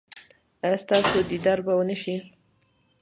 ایا ستاسو دیدار به و نه شي؟